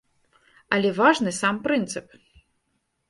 Але важны сам прынцып.